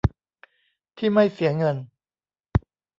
ที่ไม่เสียเงิน